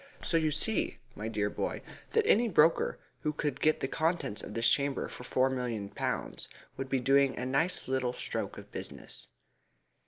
So you see, my dear boy, that any broker who could get the contents of this chamber for four million pounds would be doing a nice little stroke of business."